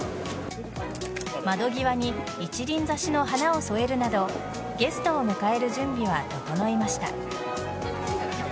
窓際に一輪挿しの花を添えるなどゲストを迎える準備は整いました。